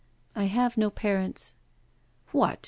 'I have no parents.' 'What!